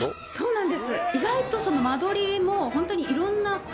そうなんです。